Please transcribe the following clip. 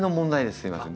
すいません。